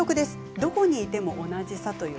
「どこにいてもおなじさ」。